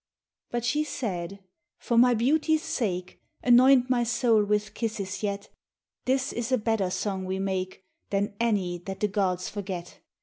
But she said, " For my beauty's sake Anoint my soul with kisses yet, This is a better song we make Than any that the gods forget